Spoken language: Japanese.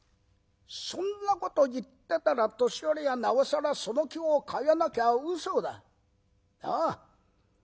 そんなこと言ってたら年寄りはなおさらその気を変えなきゃうそだ。なあ。